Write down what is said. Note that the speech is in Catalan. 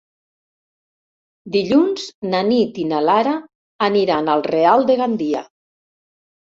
Dilluns na Nit i na Lara aniran al Real de Gandia.